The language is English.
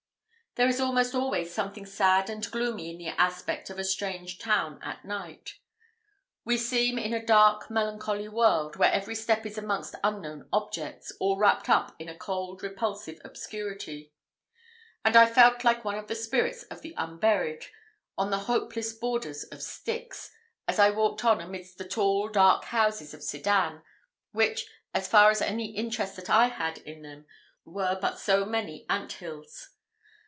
There is almost always something sad and gloomy in the aspect of a strange town at night. We seem in a dark, melancholy world, where every step is amongst unknown objects, all wrapped up in a cold repulsive obscurity; and I felt like one of the spirits of the unburied, on the hopeless borders of Styx, as I walked on amidst the tall, dark houses of Sedan, which, as far as any interest that I had in them, were but so many ant hills.